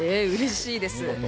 うれしいです。